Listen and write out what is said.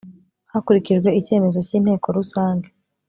hakurikijwe icyemezo cy Inteko Rusange